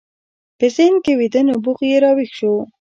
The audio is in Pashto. په ذهن کې ویده نبوغ یې راویښ شو